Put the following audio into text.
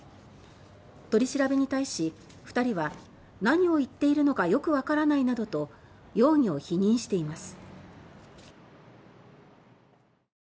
取り調べに対し２人は「何を言ってるのかよくわからない」などと容疑を否認しています。